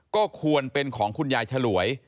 ก็ควรเป็นของคุณยายฉลวย